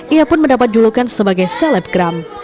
ia pun mendapat julukan sebagai selebgram